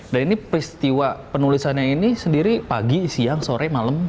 dan ini peristiwa penulisannya ini sendiri pagi siang sore malam